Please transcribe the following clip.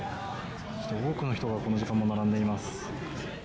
多くの人がこの時間も並んでいます。